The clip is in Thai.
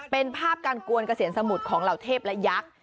เป็นภาพการกวนเกษียณสมุทรของเหล่าเทพและยักษ์